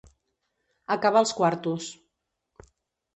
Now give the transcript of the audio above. Acabar els quartos.